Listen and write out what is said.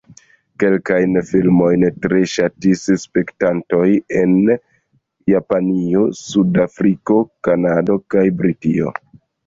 Kelkajn filmojn tre ŝatis spektantoj en Japanio, Sud-Afriko, Kanado kaj Britio.